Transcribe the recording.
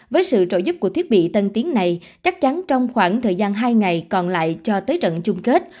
với sự trợ giúp của thiết bị tân tiến này chắc chắn trong khoảng thời gian hai ngày còn lại cho tới trận chung kết